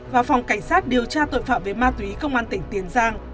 và phòng cảnh sát điều tra tội phạm về ma túy công an tỉnh tiền giang